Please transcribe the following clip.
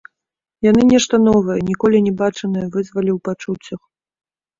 Яны нешта новае, ніколі не бачанае вызвалі ў пачуццях.